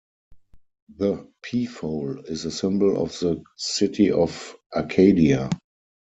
The peafowl is a symbol of the city of Arcadia.